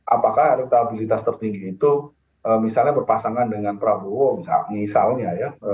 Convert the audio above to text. apakah elektabilitas tertinggi itu misalnya berpasangan dengan prabowo misalnya ya